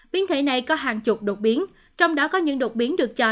biến thể này có hàng chục đột biến trong đó có những đột biến được cho